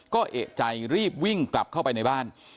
ก็เอกใจรีบวิ่งกลับเข้าไปในบ้าน